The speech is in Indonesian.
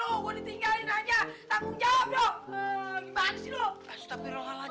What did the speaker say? ho jadi saya ter cross distance dengan kalian